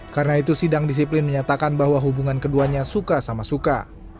karena itu sidang disiplin menyatakan bahwa hubungan keduanya suka sama suka